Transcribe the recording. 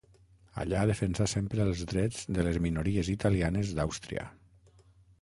Allà defensà sempre els drets de les minories italianes d'Àustria.